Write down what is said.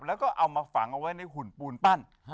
แล้วก็เอามาฝังเอาไว้ในหุ่นปูนปั้น